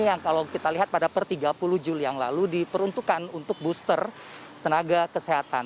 yang kalau kita lihat pada per tiga puluh juli yang lalu diperuntukkan untuk booster tenaga kesehatan